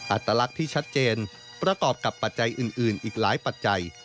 อัตลักษณ์ที่ชัดเจนประกอบกับปัจจัยอื่นอีกหลายปัจจัย